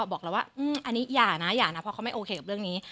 บอกแล้วว่าอันนี้อย่านะอย่านะเพราะเขาไม่โอเคกับเรื่องนี้